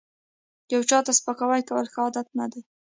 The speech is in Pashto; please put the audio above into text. یو چاته سپکاوی کول ښه عادت نه دی